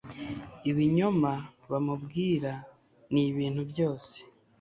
ibinyoma bamubwira n'ibintu byose